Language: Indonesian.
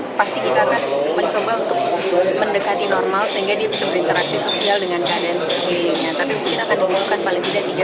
tapi pasti kita akan mencoba untuk mendekati normal sehingga dia bisa berinteraksi sosial dengan keadaan sekelilingnya